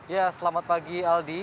ya selamat pagi aldi